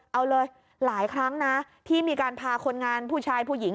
เอาเลยหลายครั้งนะที่มีการพาคนงานผู้ชายผู้หญิง